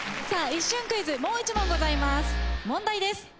さあ一瞬クイズもう１問ございます。